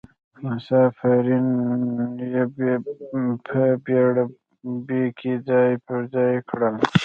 مسافرین یې په بیړه په کې ځای پر ځای کړل.